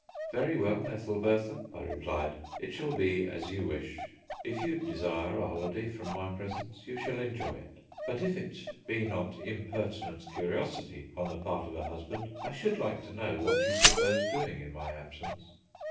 "Very well, Ethelbertha," I replied, "it shall be as you wish. If you desire a holiday from my presence, you shall enjoy it; but if it be not impertinent curiosity on the part of a husband, I should like to know what you propose doing in my absence?"